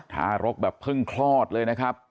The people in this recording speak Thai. ทารกแบบเพิ่งคลอดเลยนะครับ